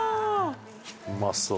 うまそう！